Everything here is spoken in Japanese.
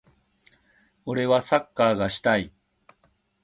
俺はサッカーがしたい。